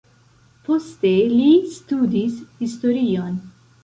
Poste li studis historion.